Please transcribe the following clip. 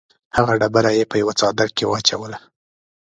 هغه ډبره یې په یوه څادر کې واچوله.